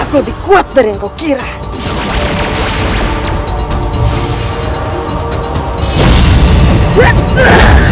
aku lebih kuat dari yang kau kira